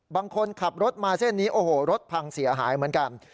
บางคนขับรถมาเส้นนี้โอ้โหรถพังเสียหายเหมือนกัน